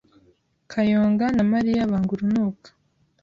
Kayonga na Mariya banga urunuka.